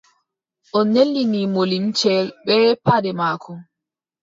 O nelini mo limcel bee paɗe maako.